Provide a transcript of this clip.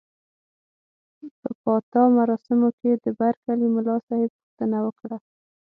په پاتا مراسمو کې د برکلي ملاصاحب پوښتنه وکړه.